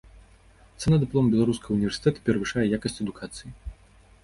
Цана дыплома беларускага ўніверсітэта перавышае якасць адукацыі.